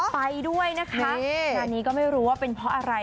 ไปด้วยนะคะงานนี้ก็ไม่รู้ว่าเป็นเพราะอะไร